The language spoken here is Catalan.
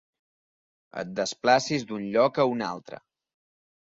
Et desplacis d'un lloc a un altre.